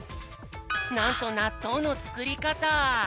なんとなっとうのつくりかた！